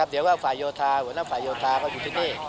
เดี๋ยวว่าฝ่ายโยธาหัวหน้าฝ่ายโยธาก็อยู่ที่นี่